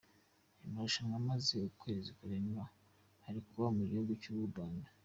Aya marushanwa amaze ukwezi kurenga ari kuba mu gihugu cy’u Rwanda.